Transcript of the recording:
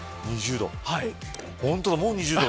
もう２０度。